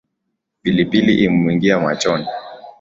Pilipili ilimwingia machoni